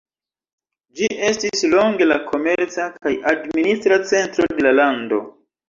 Ĝi estis longe la komerca kaj administra centro de la lando.